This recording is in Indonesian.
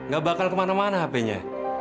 gak bakal kemana mana hp nya